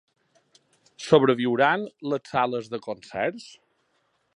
Sobreviuran les sales de concerts?